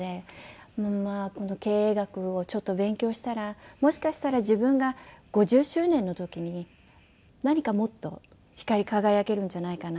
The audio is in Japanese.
まあ経営学をちょっと勉強したらもしかしたら自分が５０周年の時に何かもっと光り輝けるんじゃないかなと思って。